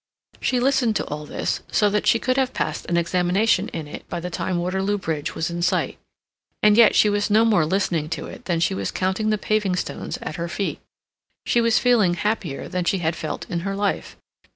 She listened to all this, so that she could have passed an examination in it by the time Waterloo Bridge was in sight; and yet she was no more listening to it than she was counting the paving stones at her feet. She was feeling happier than she had felt in her life.